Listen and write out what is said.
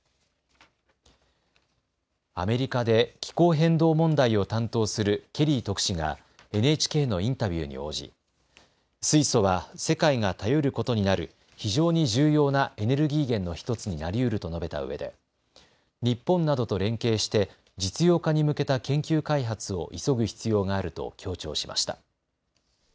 アメリカで気候変動問題を担当するケリー特使がＮＨＫのインタビューに応じ水素は世界が頼ることになる非常に重要なエネルギー源の１つになりうると述べたうえで日本などと連携して実用化に向けた研究開発を急ぐ必要があると強調しました。